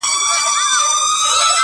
خلک کور ته بېرته ستنېږي او چوپ ژوند پيلوي